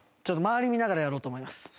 周り見ながらやろうと思います。